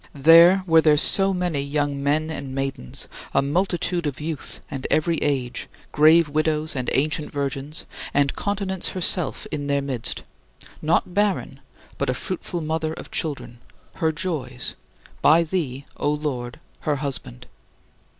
There were there so many young men and maidens, a multitude of youth and every age, grave widows and ancient virgins; and continence herself in their midst: not barren, but a fruitful mother of children her joys by thee, O Lord, her husband.